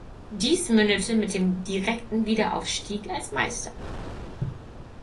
Dies mündete mit dem direkten Wiederaufstieg als Meister.